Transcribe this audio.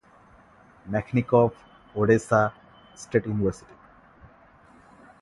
মেখনিকভ Odessa state university.